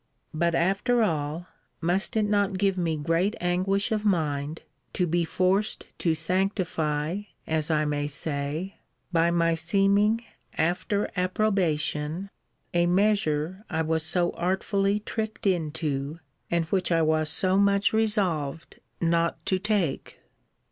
But, after all, must it not give me great anguish of mind, to be forced to sanctify, as I may say, by my seeming after approbation, a measure I was so artfully tricked into, and which I was so much resolved not to take?